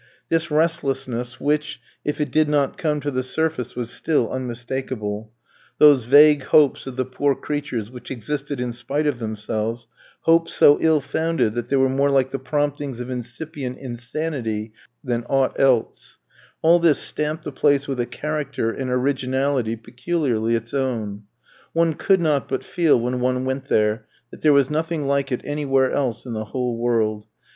This restlessness, which, if it did not come to the surface, was still unmistakable; those vague hopes of the poor creatures which existed in spite of themselves, hopes so ill founded that they were more like the promptings of incipient insanity than aught else; all this stamped the place with a character, an originality, peculiarly its own. One could not but feel when one went there that there was nothing like it anywhere else in the whole world.